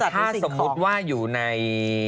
ถ้าสมมุติว่าอยู่ใน